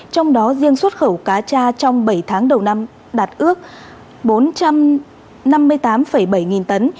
trong đó riêng xuất khẩu cá tra trong bảy tháng đầu năm đạt ước bốn trăm năm mươi tám bảy nghìn tấn